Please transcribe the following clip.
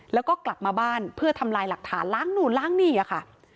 แล้วก็กลับมาบ้านเพื่อทำลายหลักฐานล้างนู่นล้างนี่ค่ะ